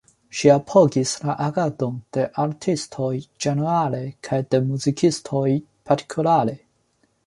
Ŝi apogis la agadon de artistoj ĝenerale kaj de muzikistoj partikulare.